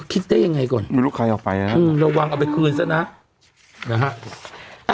คิดได้ยังไงก่อนลูกค้าออกไปแล้วอืมเราวางเอาไปคืนซะนะนะฮะ